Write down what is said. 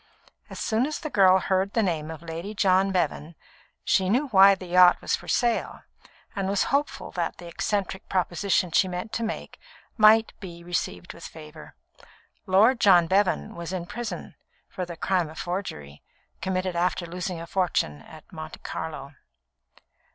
As soon as the girl heard the name of Lady John Bevan, she knew why the yacht was for sale, and was hopeful that the eccentric proposition she meant to make might be received with favour. Lord John Bevan was in prison, for the crime of forgery, committed after losing a fortune at Monte Carlo.